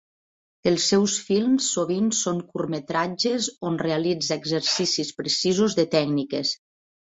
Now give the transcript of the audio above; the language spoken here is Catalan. Els seus films sovint són curtmetratges, on realitza exercicis precisos de tècniques.